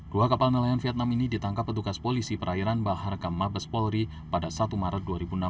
dua kapal nelayan vietnam ini ditangkap petugas polisi perairan bahar kam mabes polri pada satu maret dua ribu enam belas